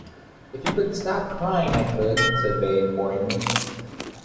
“If you would stop crying I could,” said Bay imploringly.